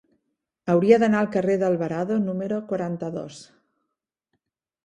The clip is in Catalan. Hauria d'anar al carrer d'Alvarado número quaranta-dos.